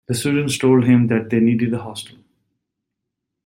The students told him that they needed a hostel.